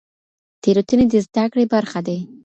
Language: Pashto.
تېروتنې د زده کړې برخه دي.